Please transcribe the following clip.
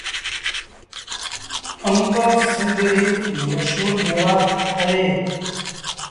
آݩب سنڌ ريٚ مشهور ميوآت اهي۔